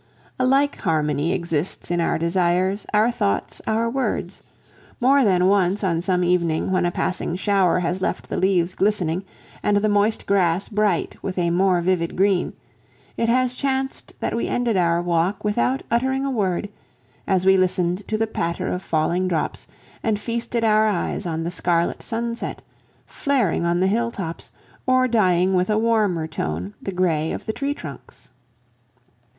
A like harmony exists in our desires, our thoughts, our words. More than once on some evening when a passing shower has left the leaves glistening and the moist grass bright with a more vivid green, it has chanced that we ended our walk without uttering a word, as we listened to the patter of falling drops and feasted our eyes on the scarlet sunset, flaring on the hilltops or dyeing with a warmer tone the gray of the tree trunks.